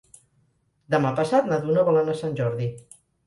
Demà passat na Duna vol anar a Sant Jordi.